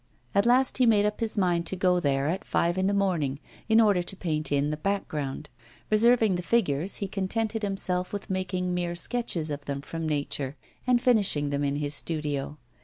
At last he made up his mind to go there at five in the morning, in order to paint in the background; reserving the figures, he contented himself with making mere sketches of them from nature, and finishing them in his studio.